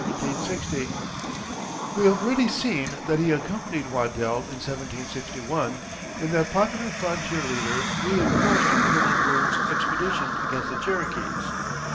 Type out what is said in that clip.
" We have already seen that he accompanied Waddell in 1761, when that popular frontier leader reenforced Colonel Byrd's expedition against the Cherokees.